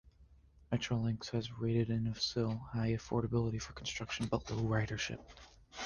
Metrolinx has rated Innisfil as high for affordability of construction, but low for ridership.